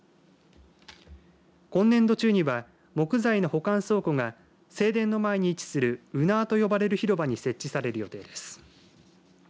今年度中には木材の保管倉庫が正殿の前に位置する御庭と呼ばれる広場に設置される予定です。